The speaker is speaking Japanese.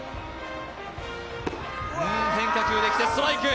変化球できて、ストライク。